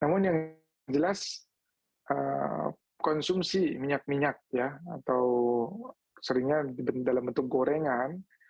namun yang jelas konsumsi minyak minyak atau seringnya dalam bentuk gorengan